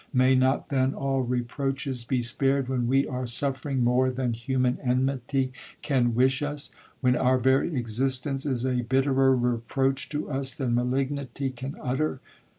May not then all reproaches be spared when we are suffering more than human enmity can wish us,—when our very existence is a bitterer reproach to us than malignity can utter?'